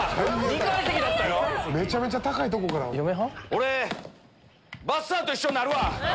俺ばっさーと一緒になるわ！